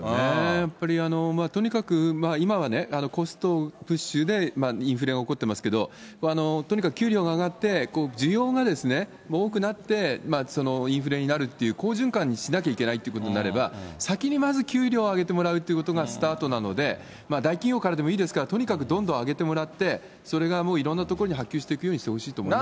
やっぱり、とにかく今はね、コストプッシュでインフレが起こってますけど、とにかく給料が上がって、需要が多くなって、インフレになるっていう、好循環にしなきゃいけないってなれば、先にまず給料上げてもらうということがスタートなので、大企業からでもいいですから、とにかくどんどん上げてもらって、それがいろんなところに波及していってほしいと思いますね。